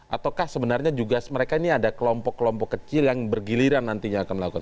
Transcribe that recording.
ataukah sebenarnya juga mereka ini ada kelompok kelompok kecil yang bergiliran nantinya akan melakukan